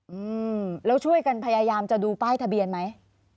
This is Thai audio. อืมแล้วช่วยกันพยายามจะดูป้ายทะเบียนไหม